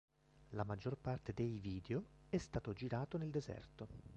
La maggior parte dei video è stato girato nel deserto.